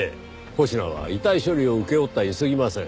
保科は遺体処理を請け負ったにすぎません。